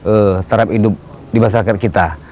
untuk tarif hidup di masyarakat kita